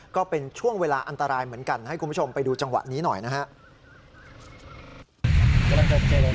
ก็เป็นช่วงเวลาอันตรายเหมือนกันให้คุณผู้ชมไปดูจังหวะนี้หน่อยนะครับ